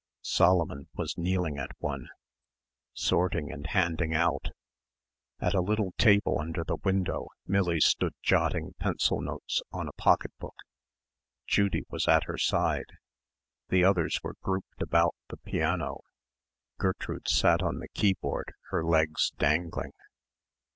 Solomon was kneeling at one, sorting and handing out. At a little table under the window Millie stood jotting pencil notes in a pocket book. Judy was at her side. The others were grouped about the piano. Gertrude sat on the keyboard her legs dangling.